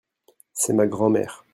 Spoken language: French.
C'est ma grand-mère.